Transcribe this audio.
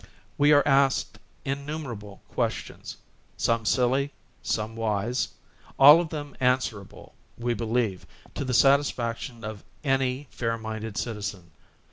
We are asked innumerable questions, some silly, some wise, all of them answerable, we believe, to the satisfaction of any faiiminded citizen.